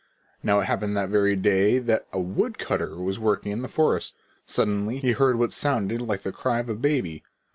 Now it happened that very day that a woodcutter was working in the forest. Suddenly he heard what sounded like the cry of a baby.